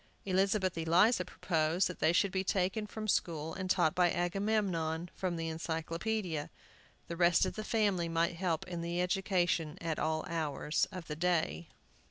Elizabeth Eliza proposed that they should be taken from school and taught by Agamemnon from the Encyclopædia. The rest of the family might help in the education at all hours of the day.